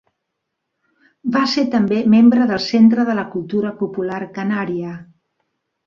Va ser també membre del Centre de la Cultura Popular Canària.